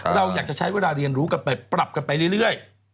เราอยากจะใช้เวลาเรียนรู้กันไปปรับกันไปเรื่อย